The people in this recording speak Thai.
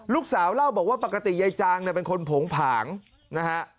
ลูกสาวเล่าบอกว่าปกติยายจางเนี่ยเป็นคนโผงผางนะฮะ